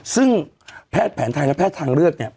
ซึ่งแพทย์แผนไทยและแพทย์ทางเลือกเนี่ย